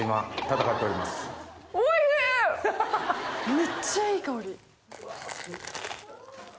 めっちゃいい香り。